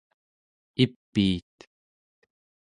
ipiit